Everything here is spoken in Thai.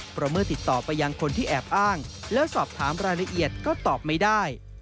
เพราะเมื่อติดต่อไปยังคนที่แอบอ้างแล้วสอบถามรายละเอียดก็ตอบไม่ได้